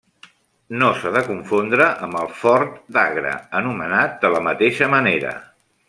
No s'ha de confondre amb el fort d'Agra, anomenat de la mateixa manera.